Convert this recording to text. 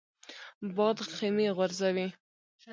باد خیمې غورځوي